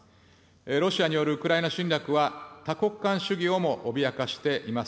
ロシアによるウクライナ侵略は、多国間主義をも脅かしています。